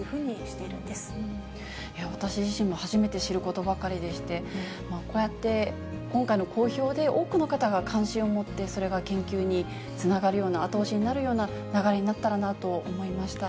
いや、私自身も初めて知ることばかりでして、こうやって、今回の公表で、多くの方が関心を持って、それが研究につながるような、後押しになるような流れになったらなと思いました。